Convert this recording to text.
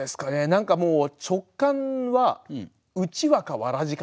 何かもう直感は「うちわ」か「わらぢ」かなっていう。